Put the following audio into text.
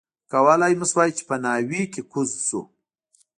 کولای مو شوای چې په ناوې کې کوز شو.